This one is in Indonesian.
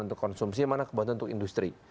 untuk konsumsi mana kebutuhan untuk industri